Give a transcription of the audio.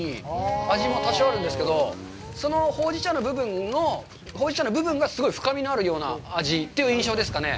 味も多少あるんですけど、そのほうじ茶の部分のほうじ茶の部分がすごい深みがある味という印象ですかね。